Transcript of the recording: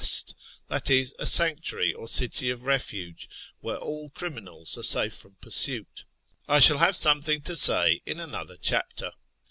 t" that is, a sanctuary or city of refuge, where all criminals are safe from pursuit), I shall linve something to say in another chapter.